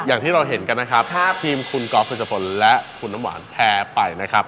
อย่างที่เราเห็นกันนะครับถ้าทีมคุณก๊อฟคุณจพลและคุณน้ำหวานแพ้ไปนะครับ